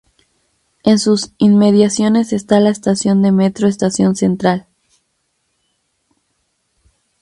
En sus inmediaciones está la estación de Metro Estación Central.